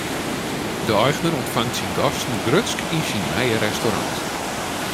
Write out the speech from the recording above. De eigener ûnfangt syn gasten grutsk yn syn nije restaurant.